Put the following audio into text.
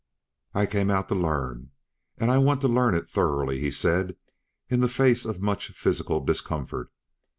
"I came out to learn, and I want to learn it thoroughly," he said, in the face of much physical discomfort.